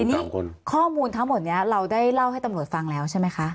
ทีนี้ข้อมูลทั้งหมดนี้เราได้เล่าให้ตำรวจฟังแล้วใช่ไหมคะ